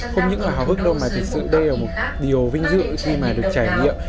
không những hòa hức đâu mà thực sự đây là một điều vinh dự khi mà được trải nghiệm